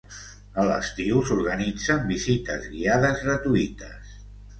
A l'estiu s'organitzen visites guiades gratuïtes.